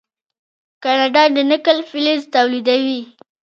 کاناډا د نکل فلز تولیدوي.